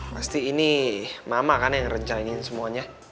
pasti ini mama kan yang rencanain semuanya